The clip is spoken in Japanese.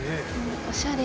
おしゃれ。